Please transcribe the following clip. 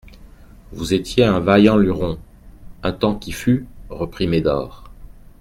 Vous étiez un vaillant luron, un temps qui fut, reprit Médor.